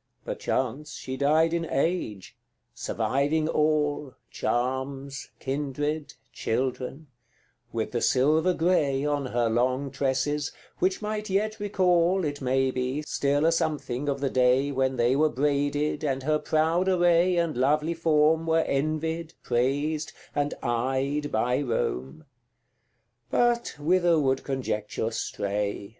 CIII. Perchance she died in age surviving all, Charms, kindred, children with the silver grey On her long tresses, which might yet recall, It may be, still a something of the day When they were braided, and her proud array And lovely form were envied, praised, and eyed By Rome But whither would Conjecture stray?